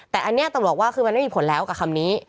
แต่อันนี้ตำรวจว่าคือมันไม่มีผลแล้วกับคำนี้